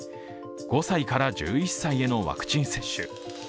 ５歳から１１歳へのワクチン接種。